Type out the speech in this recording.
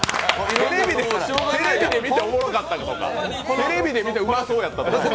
テレビで見ておもろかったとかテレビで見てうまそうやったとか。